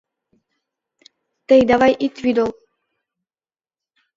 Тый давай ит вӱдыл.